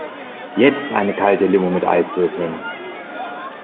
Jetzt eine kalte Limo mit Eiswürfeln!